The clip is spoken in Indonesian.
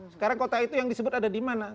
sekarang kota itu yang disebut ada di mana